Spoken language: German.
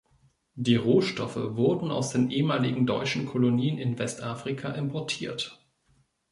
Die Rohstoffe wurden aus den ehemaligen deutschen Kolonien in Westafrika importiert.